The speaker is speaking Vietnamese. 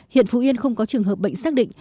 hiện phú yên không có trường hợp bệnh xác định